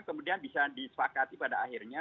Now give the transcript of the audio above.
kemudian bisa disepakati pada akhirnya